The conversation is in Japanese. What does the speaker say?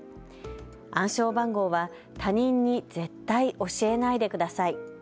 暗証番号は他人に絶対、教えないでください。